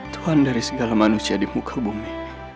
tuhan dari segala manusia di muka bumi